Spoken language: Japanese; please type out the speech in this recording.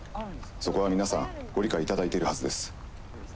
そこは皆さんご理解頂いているはずです。